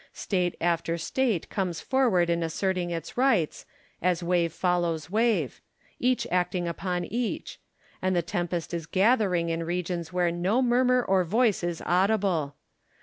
State after State comes forward in asserting its rights, as wave follows wave ; each acting upon each ; and the tempest is gathering in regions where no murmur or voice is audible.